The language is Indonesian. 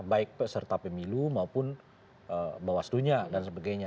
baik peserta pemilu maupun bawas dunia dan sebagainya